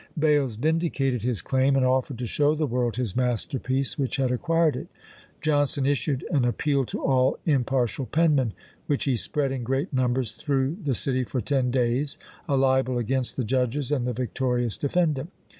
Bales vindicated his claim, and offered to show the world his "masterpiece" which had acquired it. Johnson issued an "Appeal to all Impartial Penmen," which he spread in great numbers through the city for ten days, a libel against the judges and the victorious defendant!